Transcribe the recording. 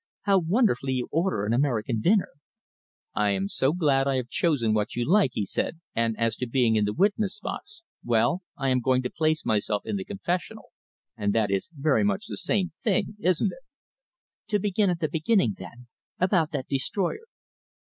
"How wonderfully you order an American dinner!" "I am so glad I have chosen what you like," he said, "and as to being in the witness box well, I am going to place myself in the confessional, and that is very much the same thing, isn't it?" "To begin at the beginning, then about that destroyer?"